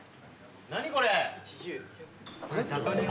何これ？